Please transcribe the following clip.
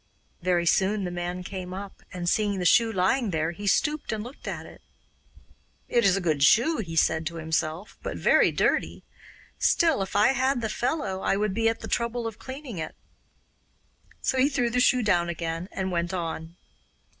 Very soon the man came up, and seeing the shoe lying there, he stooped and looked at it. 'It is a good shoe,' he said to himself, 'but very dirty. Still, if I had the fellow, I would be at the trouble of cleaning it'; so he threw the shoe down again and went on.